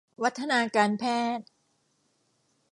วัฒนาการแพทย์